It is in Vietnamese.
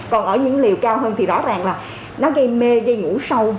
còn ở những liều cao hơn thì rõ ràng là nó gây mê gây ngủ sâu